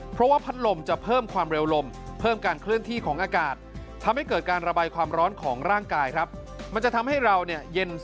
เพราะว่าพัดลมจะเพิ่มความเร็วลมเพิ่มการเคลื่อนที่ของอากาศทำให้เกิดการระบายความร้อนของร่างกาย